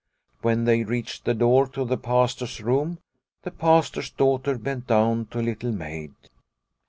When they reached the door to the Pastor's room the Pastor's daughter bent down to Little Maid.